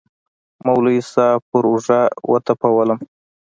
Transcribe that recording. مولوي صاحب پر اوږه وټپولوم.